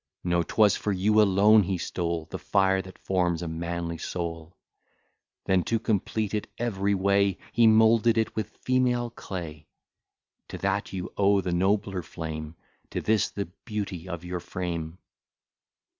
No; 'twas for you alone he stole The fire that forms a manly soul; Then, to complete it every way, He moulded it with female clay: To that you owe the nobler flame, To this the beauty of your frame.